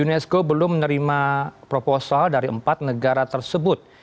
unesco belum menerima proposal dari empat negara tersebut